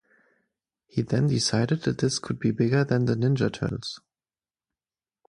He then decided that This could be bigger than the Ninja Turtles.